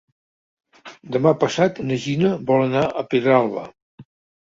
Demà passat na Gina vol anar a Pedralba.